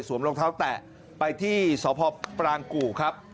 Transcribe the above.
รองเท้าแตะไปที่สพปรางกู่ครับ